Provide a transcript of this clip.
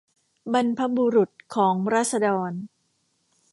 บรรพบุรุษของราษฎร